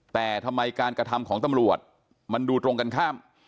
แต่ทำไมการกระทำของตำรวจมันดูตรงกันข้าม